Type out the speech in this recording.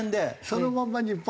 そのまんま日本。